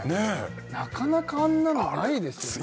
なかなかあんなのないですよね